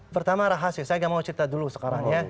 pertama rahasia saya nggak mau cerita dulu sekarang ya